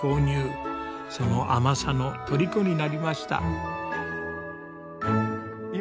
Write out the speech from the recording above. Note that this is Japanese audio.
その甘さのとりこになりました。